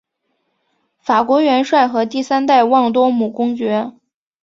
法国元帅和第三代旺多姆公爵。